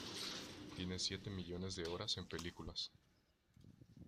Tiene siete millones de horas en películas.